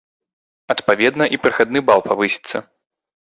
Адпаведна, і прахадны бал павысіцца.